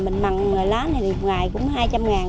mình mặn lá này một ngày cũng hai trăm linh ngàn